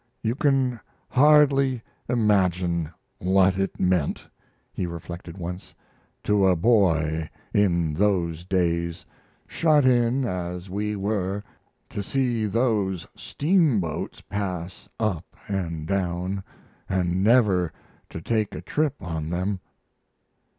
"You can hardly imagine what it meant," he reflected once, "to a boy in those days, shut in as we were, to see those steamboats pass up and down, and never to take a trip on them."